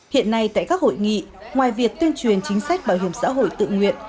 hiện nay tại các hội nghị ngoài việc tuyên truyền chính sách bảo hiểm xã hội tự nguyện